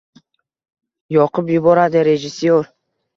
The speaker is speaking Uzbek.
yoqib yuboradi rejissyor